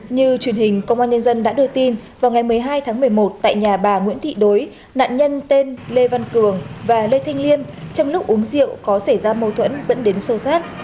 như truyền hình công an nhân dân đã đưa tin vào ngày một mươi hai tháng một mươi một tại nhà bà nguyễn thị đối nạn nhân tên lê văn cường và lê thanh liêm trong lúc uống rượu có xảy ra mâu thuẫn dẫn đến sâu sát